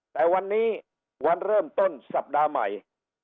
แต่วันนี้วันเริ่มต้นสัปดาห์ใหม่